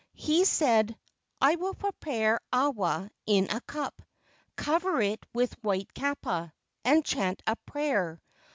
He said: "I will prepare awa in a cup, cover it with white kapa, and chant a prayer.